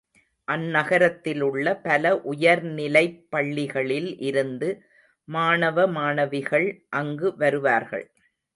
அந்நகரத்திலுள்ள பல உயர்நிலைப் பள்ளிகளில் இருந்து மாணவ மாணவிகள் அங்கு வருவார்கள்.